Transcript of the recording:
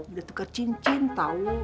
udah tuker cincin tau